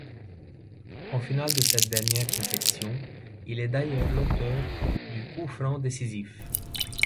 En finale de cette dernière compétition, il est d'ailleurs l'auteur du coup franc décisif.